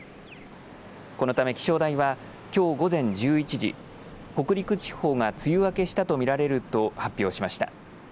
このため、気象台はきょう午前１１時北陸地方が梅雨明けしたと見られると発表しました。